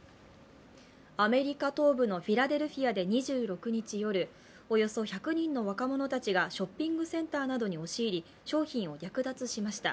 アメリカ東部のフィラデルフィアで２６日夜、およそ１００人の若者たちがショッピングセンターなどに押し入り商品を略奪しました。